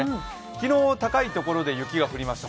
昨日、高いところで雪が降りました。